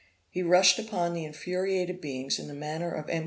He rushed upon the infuriated beings in the manner of M.